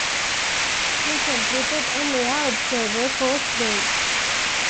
He completed an air observer course then.